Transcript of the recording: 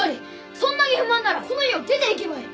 そんなに不満ならこの家を出ていけばいい。